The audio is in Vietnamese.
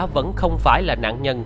vẫn không phải là nạn nhân